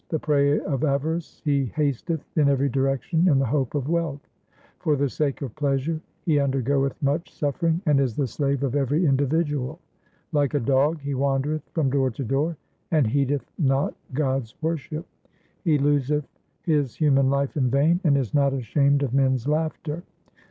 The prey of avarice he hasteth in every direction in the hope of wealth ; For the sake of pleasure he undergoeth much suffering, and is the slave of every individual ; Like a dog he wandereth from door to door, and heedeth not God's worship ; He loseth his human life in vain, and is not ashamed of men's laughter.